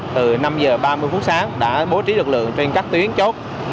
từ năm h ba mươi phút sáng đã bố trí lực lượng trên các tuyến chốt